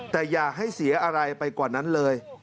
แต่อย่าให้เสียอะไรไปกว่านั้นเลย